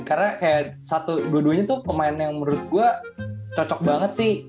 karena dua duanya tuh pemain yang menurut gua cocok banget sih